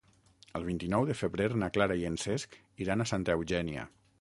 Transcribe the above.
El vint-i-nou de febrer na Clara i en Cesc iran a Santa Eugènia.